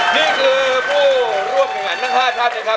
นี่คือผู้ร่วมอย่างนั้นค่ะท่านนะครับ